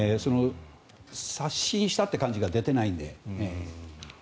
刷新したという感じが出てないので。